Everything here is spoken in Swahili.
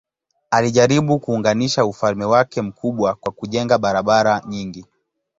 Alijaribu kuunganisha ufalme wake mkubwa kwa kujenga barabara nyingi.